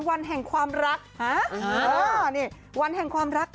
วันแห่งความรักฉันรักคุณ